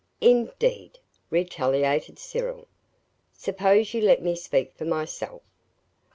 "Indeed!" retaliated Cyril. "Suppose you let me speak for myself!